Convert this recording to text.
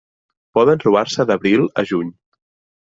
Poden trobar-se d'abril a juny.